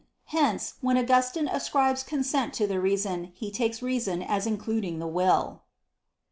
Hence, when Augustine ascribes consent to the reason, he takes reason as including the will.